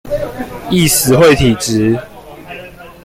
易死會體質